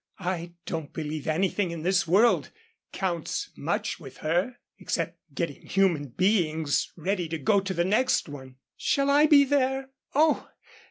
I don't believe anything in this world counts much with her, except getting human beings ready to go to the next one. Shall I be there, oh!